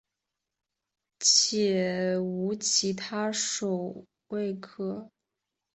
且无其他部首可用者将部首归为羽部。